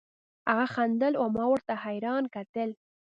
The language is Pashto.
هغه خندل او ما ورته حيران کتل.